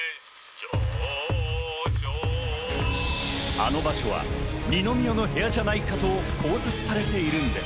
あの場所は二宮の部屋じゃないかと考察されているんです。